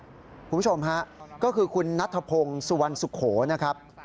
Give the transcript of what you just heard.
คุณผู้ชมฮะก็คือคุณนัทธพงศ์สุวรรณสุโขนะครับ